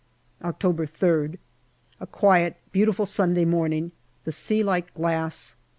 October 3rd. A quiet, beautiful Sunday morning, the sea like glass.